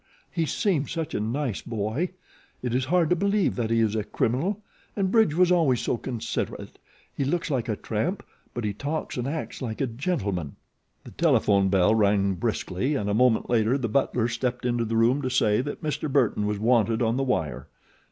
He seemed such a nice boy! It is hard to believe that he is a criminal, and Bridge was always so considerate. He looks like a tramp; but he talks and acts like a gentleman." The telephone bell rang briskly, and a moment later the butler stepped into the room to say that Mr. Burton was wanted on the wire.